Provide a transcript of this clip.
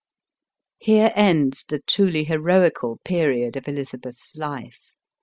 Here ends the truly heroical period of Elizabeth's life.